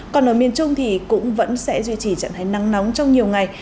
còn ở miền trung thì cũng vẫn sẽ duy trì trạng thái nắng nóng trong nhiều ngày